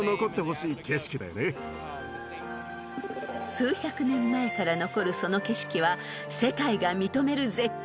［数百年前から残るその景色は世界が認める絶景］